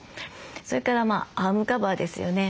それからアームカバーですよね。